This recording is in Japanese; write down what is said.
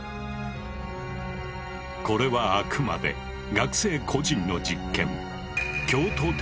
これはあくまで学生個人の実験。